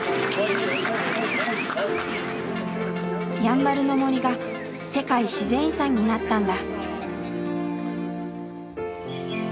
やんばるの森が世界自然遺産になったんだ。